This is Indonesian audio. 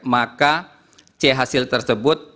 maka c hasil tersebut